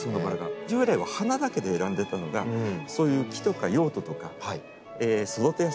従来は花だけで選んでたのがそういう木とか用途とか育てやすさとかね。